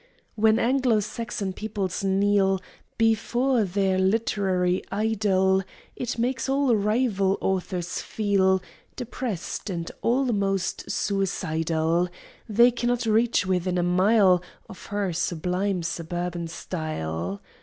When Anglo Saxon peoples kneel Before their literary idol, It makes all rival authors feel Depressed and almost suicidal; They cannot reach within a mile Of her sublime suburban style.